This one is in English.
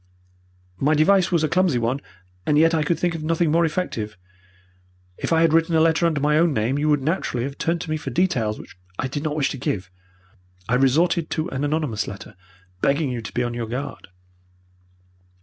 My device was a clumsy one, and yet I could think of nothing more effective. If I had written a letter under my own name, you would naturally have turned to me for details which I did not wish to give. I resorted to an anonymous letter, begging you to be upon your guard.